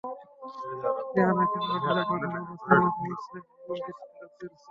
কিনে আনা খেলোয়াড় ধারে পাঠানোয় প্রশ্নের মুখে পড়েছে ইংলিশ ক্লাব চেলসি।